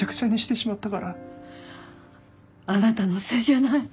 あなたのせいじゃない。